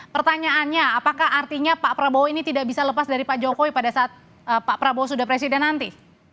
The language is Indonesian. pertanyaannya apakah artinya pak prabowo ini tidak bisa lepas dari pak jokowi pada saat pak prabowo sudah presiden nanti